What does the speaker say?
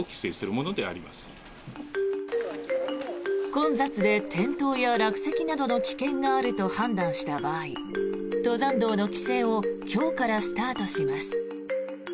混雑で転倒や落石などの危険があると判断した場合登山道の規制を今日からスタートします。